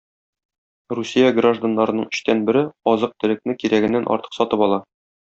Русия гражданнарының өчтән бере азык-төлекне кирәгеннән артык сатып ала.